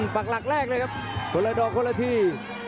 ปักหลักแรกเลยครับคนละดอกคนละที